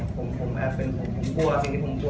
ใช้เวลาอยู่เหมือนกันแล้วก็ค่อนข้าง